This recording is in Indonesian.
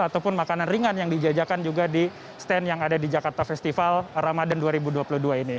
ataupun makanan ringan yang dijajakan juga di stand yang ada di jakarta festival ramadan dua ribu dua puluh dua ini